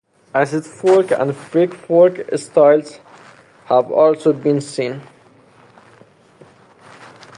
Acid folk and freak folk styles have also been seen.